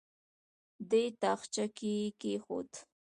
دې تاخچه کې یې کېښود.